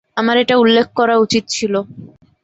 আমার এটা উল্লেখ করা উচিত ছিল।